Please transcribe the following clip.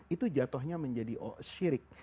itu jatuhnya menjadi syirik